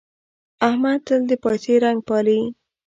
احمد تل د پايڅې رنګ پالي.